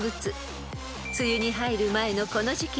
［梅雨に入る前のこの時期に］